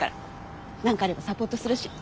何かあればサポートするし。